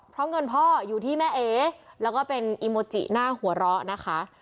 เพราะเงินพ่ออยู่ที่แม่เอแล้วก็เป็นอีโมจิหน้าหัวเราะนะคะ